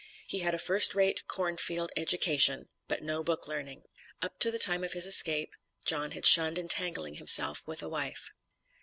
He had a first rate corn field education, but no book learning. Up to the time of his escape, John had shunned entangling himself with a wife.